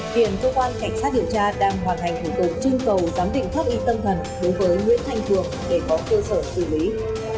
hiện cơ quan cảnh sát điều tra đang hoàn thành thủ tục trưng cầu giám định pháp y tâm thần đối với nguyễn thanh cường để có cơ sở xử lý